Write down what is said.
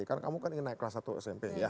karena kamu kan ingin naik kelas satu smp ya